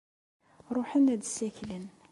Ruḥen ad ssaklen.